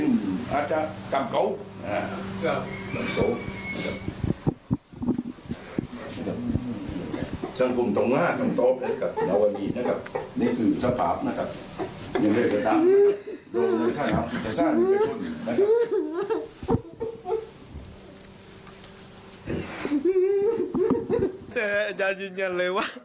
เนี่ยอาจารย์ยืนยันเลยว่ะ